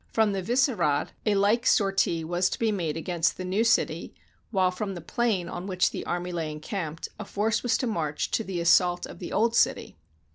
From the Vissehrad a like sortie was to be made against the new city, while from the plain on which the army lay encamped, a force was to march to the assault of the old city.